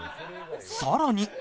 さらに